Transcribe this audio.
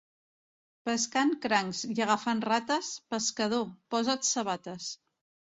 Pescant crancs i agafant rates, pescador, posa't sabates.